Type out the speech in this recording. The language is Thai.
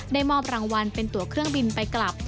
มอบรางวัลเป็นตัวเครื่องบินไปกลับ